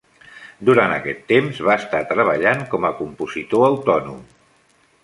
Durant aquest temps, va estar treballant com a compositor autònom.